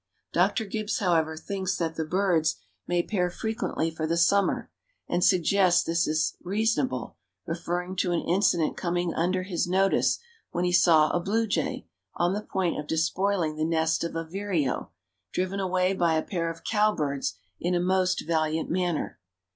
Dr. Gibbs, however, thinks that the birds may pair frequently for the summer, and suggests this as reasonable, referring to an incident coming under his notice when he saw a blue jay, on the point of despoiling the nest of a vireo, driven away by a pair of cowbirds in a most valiant manner.